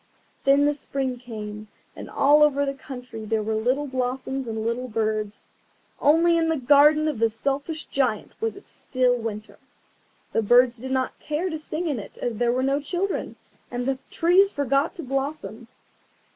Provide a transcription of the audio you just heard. Then the Spring came, and all over the country there were little blossoms and little birds. Only in the garden of the Selfish Giant it was still winter. The birds did not care to sing in it as there were no children, and the trees forgot to blossom.